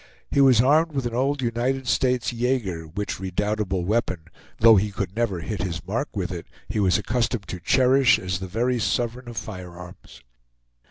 He was armed with an old United States yager, which redoubtable weapon, though he could never hit his mark with it, he was accustomed to cherish as the very sovereign of firearms.